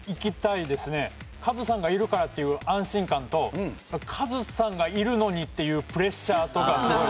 カズさんがいるからっていう安心感とカズさんがいるのにっていうプレッシャーとがすごい。